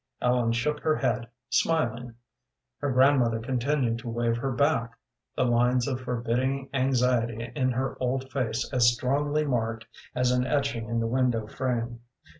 Ellen shook her head, smiling. Her grandmother continued to wave her back, the lines of forbidding anxiety in her old face as strongly marked as an etching in the window frame.